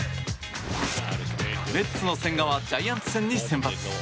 メッツの千賀はジャイアンツ戦に先発。